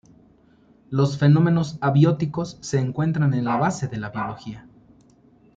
Los fenómenos abióticos se encuentran en la base de la biología.